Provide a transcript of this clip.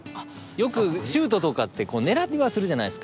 よくシュートとかって狙いにはするじゃないですか。